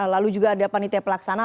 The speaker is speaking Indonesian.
lalu juga ada panitia pelaksana